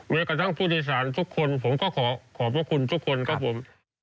กระทั่งผู้โดยสารทุกคนผมก็ขอขอบพระคุณทุกคนครับผม